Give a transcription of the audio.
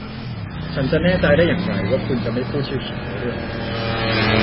ฉันจะแน่ใจได้ยังไงว่าคุณจะไม่พูดชื่อฉันในเรื่องนั้น